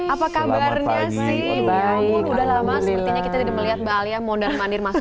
apa kabarnya sih